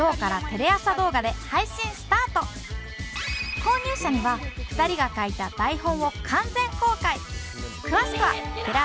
購入者には２人が書いた台本を完全公開！